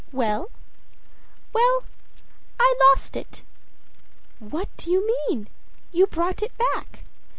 Well?â âWell, I lost it.â âWhat do you mean? You brought it back.